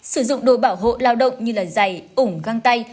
sử dụng đồ bảo hộ lao động như dày ủng găng tay